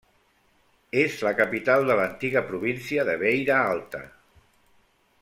És la capital de l'antiga província de Beira Alta.